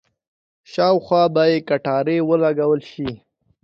شاوخوا یې باید کټارې ولګول شي.